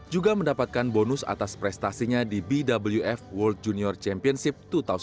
juga mendapatkan bonus atas prestasinya di bwf world junior championship dua ribu sembilan belas